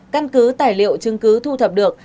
căn cứ tài liệu chứng cứ thu thập được